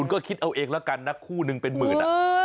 ก็คิดเอาเองแล้วกันนะคู่หนึ่งเป็นหมื่น